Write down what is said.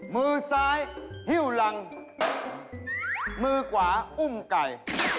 มือซ้ายหิ้วหลังมือขวาอุ้มไก่